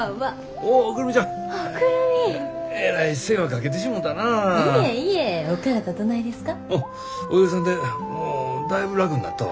おかげさんでもうだいぶ楽になったわ。